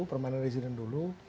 permainan residen dulu